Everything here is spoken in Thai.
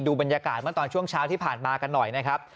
บรรยากาศเมื่อตอนช่วงเช้าที่ผ่านมากันหน่อยนะครับ